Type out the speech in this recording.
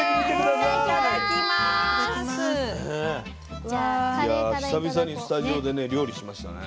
いや久々にスタジオでね料理しましたね。